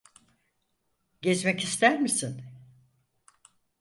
Gezmek ister misin?